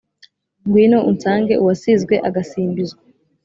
Ngwino unsange uwasizwe agasimbizwa